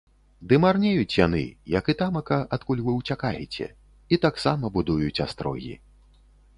Ды марнеюць яны, як і тамака, адкуль вы ўцякаеце, і таксама будуюць астрогі.